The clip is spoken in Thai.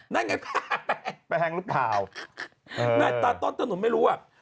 นั่นไงแป้งหรือเปล่าต้นขนุนไม่รู้อ่ะ